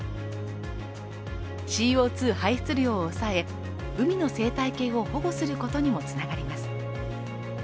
ＣＯ２排出量を抑え海の生態系を保護することにもつながります。